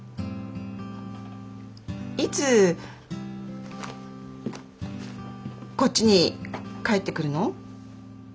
いつこっちに帰ってくるの？